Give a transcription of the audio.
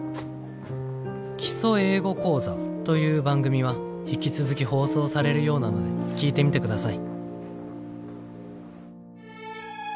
『基礎英語講座』という番組は引き続き放送されるようなので聴いてみてください」。